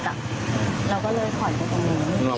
เราก็เลยถอยไปตรงนี้